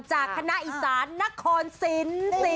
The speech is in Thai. จากคณะอีสานนครสิน